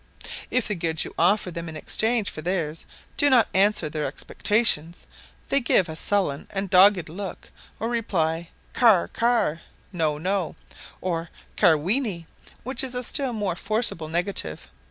If the goods you offer them in exchange for theirs do not answer their expectations, they give a sullen and dogged look or reply, "Car car" (no, no), or "Carwinni," which is a still more forcible negative.